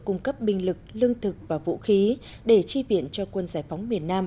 cung cấp binh lực lương thực và vũ khí để chi viện cho quân giải phóng miền nam